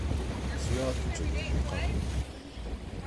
Swiɣ afenǧal-iw n lqahwa.